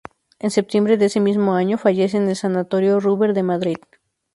En septiembre de ese mismo año, fallece en el sanatorio Ruber de Madrid.